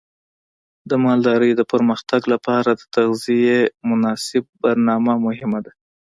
د مالدارۍ د پرمختګ لپاره د تغذیې مناسب برنامه مهمه ده.